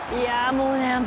もうね。